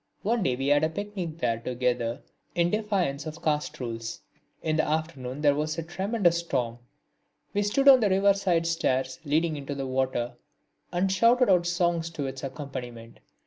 One day we had a picnic there together, in defiance of caste rules. In the afternoon there was a tremendous storm. We stood on the river side stairs leading into the water and shouted out songs to its accompaniment.